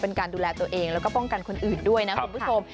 เป็นการดูแลตัวเองแล้วก็ป้องกันคนอื่นด้วยนะคุณผู้ชม